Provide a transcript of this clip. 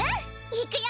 いくよ！